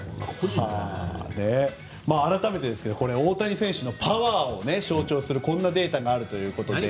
改めて、大谷選手のパワーを象徴するこんなデータがあるということで。